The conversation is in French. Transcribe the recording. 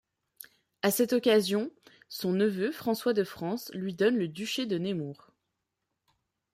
À cette occasion, son neveu François de France lui donne le duché de Nemours.